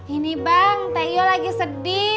ini bang teh iyo lagi sedih